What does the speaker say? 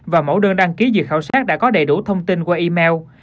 và mẫu đơn đăng ký dự khảo sát đã có đầy đủ thông tin qua email